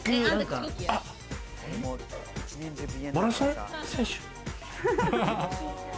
マラソン選手？